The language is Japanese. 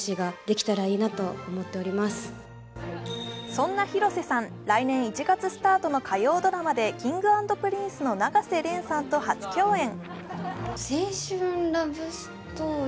そんな広瀬さん、来年１月スタートの火曜ドラマでＫｉｎｇ＆Ｐｒｉｎｃｅの永瀬廉さんと初共演。